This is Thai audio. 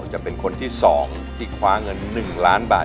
จะเป็นคนที่สองที่คว้าเงินหนึ่งล้านบาท